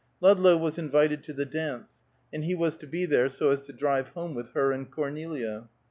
Ludlow was invited to the dance, and he was to be there so as to drive home with her and Cornelia.